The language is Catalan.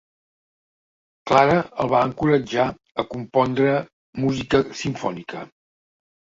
Clara el va encoratjar a compondre música simfònica.